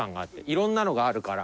色んなのがあるから。